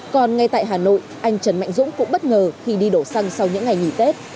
còn ngay tại hà nội anh trần mạnh dũng cũng bất ngờ khi đi đổ xăng sau những ngày nghỉ tết